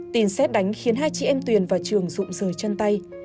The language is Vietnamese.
tin xét đánh khiến hai chị em tuyển vào trường rụng rời chân tay